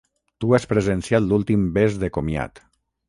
Tu has presenciat l'últim bes de comiat.